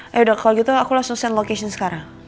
yaudah kalau gitu aku langsung send location sekarang